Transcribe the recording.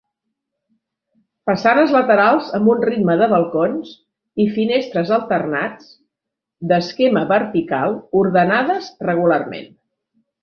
Façanes laterals amb un ritme de balcons i finestres alternats, d'esquema vertical, ordenades regularment.